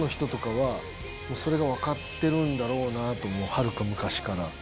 はるか昔から。